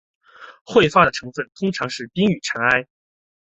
彗发的成分通常是冰与尘埃。